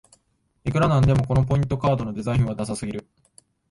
いくらなんでもこのポイントカードのデザインはダサすぎる